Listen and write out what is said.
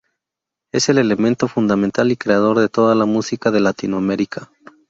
Es el elemento fundamental y creador de toda la música de latinoamerica.